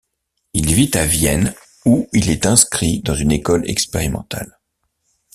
Il vit à Vienne, où il est inscrit dans une école expérimentale.